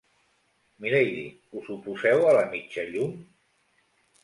Milady, us oposeu a la mitja llum?